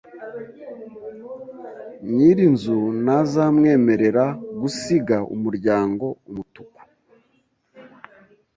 Nyirinzu ntazamwemerera gusiga umuryango umutuku